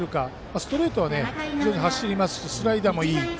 ストレートは非常に走りますしスライダーもいい。